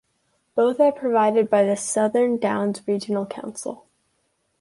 Both are provided by the Southern Downs Regional Council.